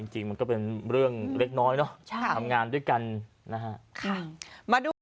จริงมันก็เป็นเรื่องเล็กน้อยเนอะทำงานด้วยกันนะฮะ